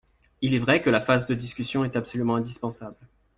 Il est vrai que la phase de discussion est absolument indispensable.